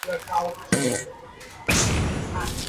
利梅雷默诺维尔。